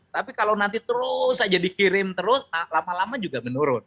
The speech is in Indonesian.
tapi kalau nanti terus saja dikirim terus lama lama juga menurun